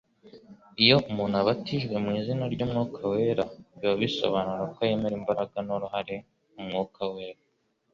Iyo umuntu abatijwe “mu izina” ry'umwuka wera biba bisobanura ko yemera imbaraga n'uruhare umwuka wera